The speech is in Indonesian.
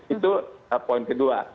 itu poin kedua